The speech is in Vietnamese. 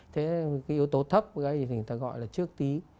thế yếu tố thấp ở đây thì người ta gọi là trước tí